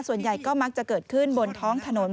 ส่วนใหญ่ก็มักจะเกิดขึ้นบนท้องถนน